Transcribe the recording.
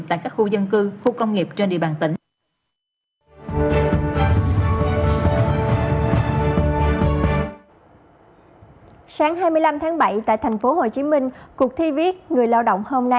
tại các khu dân cư khu công nghiệp trên địa bàn tỉnh